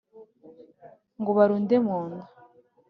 ngo barunde mu nda